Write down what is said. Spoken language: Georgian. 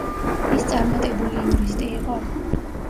ის წარმატებული იურისტი იყო.